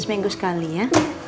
seminggu sekali ya